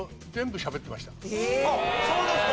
あっそうですか！